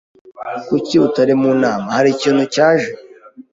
"Kuki utari mu nama?" "Hari ikintu cyaje."